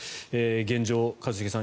現状、一茂さん